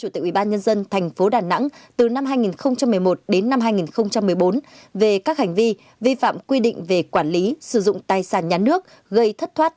thành phố đà nẵng từ năm hai nghìn một mươi một đến năm hai nghìn một mươi bốn về các hành vi vi phạm quy định về quản lý sử dụng tài sản nhà nước gây thất thoát